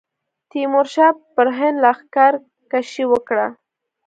تیمورشاه پر هند لښکرکښي وکړه.